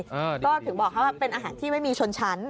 ก็ถึงบอกเขาว่าเป็นอาหารที่ไม่มีชนชั้น